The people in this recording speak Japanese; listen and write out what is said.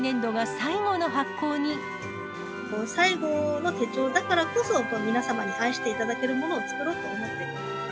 最後の手帳だからこそ、皆様に愛していただけるものを作ろうと思っています。